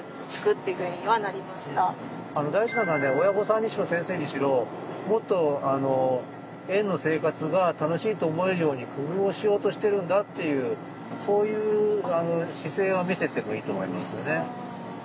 親御さんにしろ先生にしろもっと園の生活が楽しいと思えるように工夫をしようとしてるんだっていうそういうあの姿勢は見せてもいいと思いますよね。